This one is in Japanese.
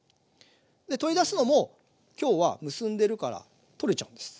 取り出すのも今日は結んでるから取れちゃうんです。